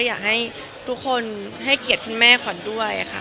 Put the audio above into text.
อยากให้ทุกคนให้เกียรติคุณแม่ขวัญด้วยค่ะ